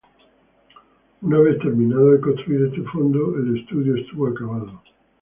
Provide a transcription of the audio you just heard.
Una vez terminado de construir este fondo, el estadio estuvo acabado.